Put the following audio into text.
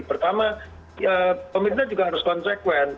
pertama pemerintah juga harus konsekuen